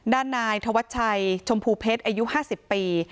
ด้านนายธวัชชัยชมพูเพชรอายุ๕๐ปี